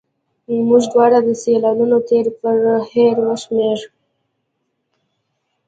موږ دواړو سیلانیانو تېر پر هېر وشمېره.